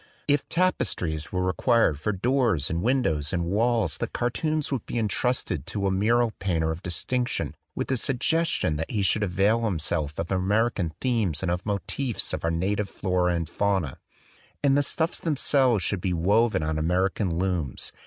If tapestries were required for doors and windows and walls the cartoons would be entrusted to a mural painter of distinction with the suggestion that he should avail himself of American themes and of motives from our na tive flora and fauna; and the stuffs themselves should be woven on American looms.